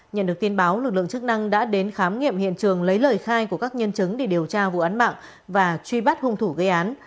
nhận được tin báo lực lượng chức năng đã đến khám nghiệm hiện trường lấy lời khai của các nhân chứng để điều tra vụ án mạng và truy bắt hung thủ gây án